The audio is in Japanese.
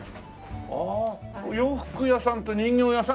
ああ洋服屋さんと人形屋さん？